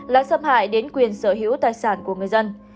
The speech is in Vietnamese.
là xâm hại đến quyền sở hữu tài sản của người dân